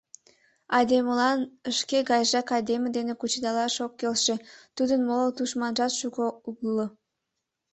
Айдемылан шке гайжак айдеме дене кучедалаш ок келше, тудын моло тушманжат шуко уло.